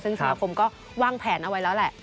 ซึ่งสมาคมก็วางแผนเอาไว้แล้วแหละ